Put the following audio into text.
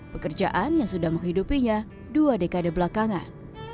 pekerjaan yang sudah menghidupinya dua dekade belakangan